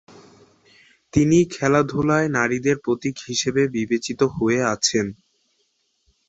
তিনি খেলাধুলায় নারীদের প্রতীক হিসেবে বিবেচিত হয়ে আছেন।